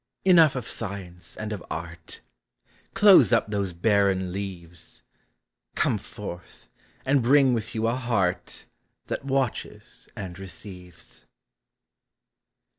Enough of science and of art; Close up those barren leaves; Come forth, and bring with you a heart That watches and receives.